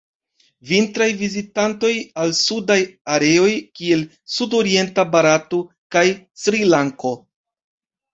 Vintraj vizitantoj al sudaj areoj kiel sudorienta Barato kaj Srilanko.